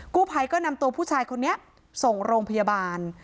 กู้ภัยก็นำตัวผู้ชายคนนี้ส่งโรงพยาบาล